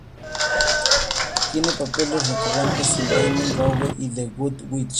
Tiene papeles recurrentes en "Damien", "Rogue" y "The Good Witch".